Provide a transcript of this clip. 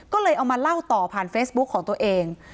ก็เลยเอามาเล่าต่อผ่านเฟซบุ๊คของตัวเอง